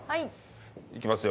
いきますよ。